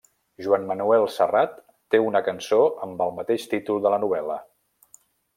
Joan Manuel Serrat té una cançó amb el mateix títol de la novel·la.